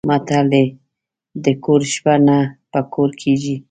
متل دی: د ګور شپه نه په کور کېږي.